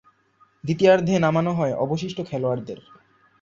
দ্বিতীয়ার্ধে নামানো হয় অবশিষ্ট খেলোয়াড়দের।